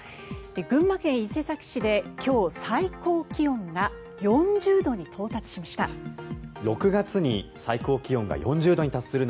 群馬県伊勢崎市で今日最高気温が４０度に到達しました。